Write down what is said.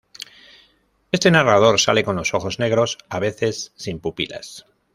Este narrador sale con los ojos negros, a veces sin pupilas.